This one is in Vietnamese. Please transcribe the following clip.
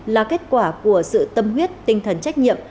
là kết quả của sự tâm huyết tinh thần trách nhiệm